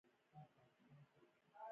مهندر سنگھ دهوني یو غوره بېټسمېن دئ.